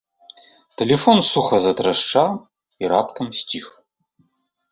Тэлефон суха затрашчаў і раптам сціх.